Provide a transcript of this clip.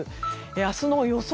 明日の予想